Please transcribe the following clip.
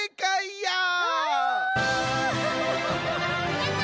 やった！